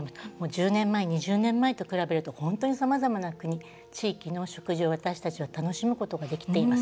１０年前、２０年前と比べると本当に、さまざまな国地域の食事を、私たちは楽しむことができています。